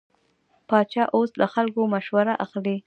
پاچا اوس له خلکو مشوره اخلي.